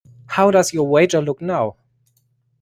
How does your wager look now.